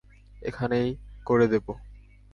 এখানেই করে দেবো।